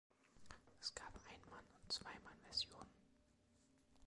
Es gab Ein-Mann- und Zwei-Mann-Versionen.